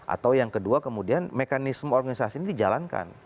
atau yang kedua kemudian mekanisme organisasi ini dijalankan